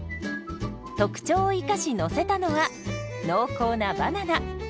特徴を生かしのせたのは濃厚なバナナ。